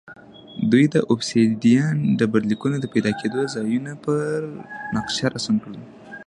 دوی د اوبسیدیان ډبرلیکونو د پیدا کېدو ځایونه پر نقشه رسم کړل